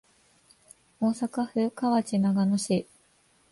大阪府河内長野市